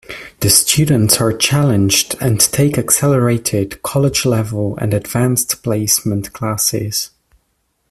The students are challenged and take accelerated, college-level, and Advanced Placement classes.